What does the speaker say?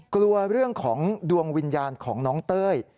กลัวเรื่องของดวงวิญญาณของน้องเต้ย